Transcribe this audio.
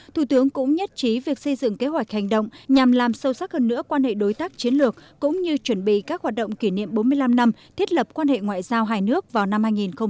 thủ tướng cũng nhất trí việc xây dựng kế hoạch hành động nhằm làm sâu sắc hơn nữa quan hệ đối tác chiến lược cũng như chuẩn bị các hoạt động kỷ niệm bốn mươi năm năm thiết lập quan hệ ngoại giao hai nước vào năm hai nghìn hai mươi